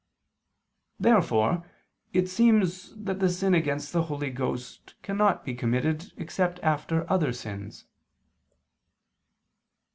Therefore it seems that the sin against the Holy Ghost cannot be committed except after other sins.